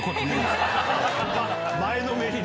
前のめりに！